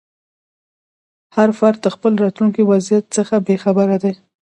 هر فرد د خپل راتلونکي وضعیت څخه بې خبره دی.